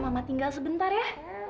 mama panggil aja mitanya ya